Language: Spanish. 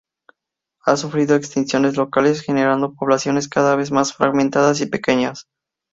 Ha sufrido extinciones locales generando poblaciones cada vez más fragmentadas y pequeñas.